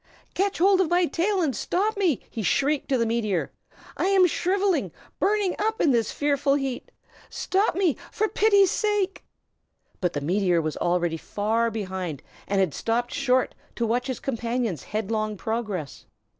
"Catch hold of my tail and stop me!" he shrieked to the meteor. "I am shrivelling, burning up, in this fearful heat! Stop me, for pity's sake!" But the meteor was already far behind, and had stopped short to watch his companion's headlong progress.